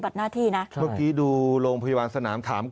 เกิดว่าจะต้องมาตั้งโรงพยาบาลสนามตรงนี้